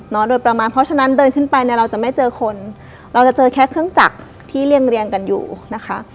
โดยประมาณเพราะฉะนั้นเดินขึ้นไปเนี่ยเราจะไม่เจอคนเราจะเจอแค่เครื่องจักรที่เรียงเรียงกันอยู่นะคะ